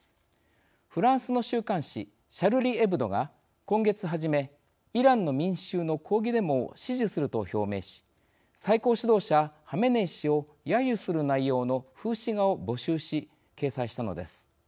フランスの週刊紙「シャルリ・エブド」が今月はじめ、イランの民衆の抗議デモを支持すると表明し最高指導者ハメネイ師をやゆする内容の風刺画を募集し掲載したのです。